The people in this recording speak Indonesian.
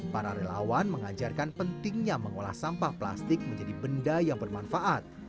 para relawan mengajarkan pentingnya mengolah sampah plastik menjadi benda yang bermanfaat